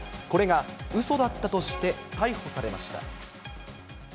これがうそだったとして逮捕されました。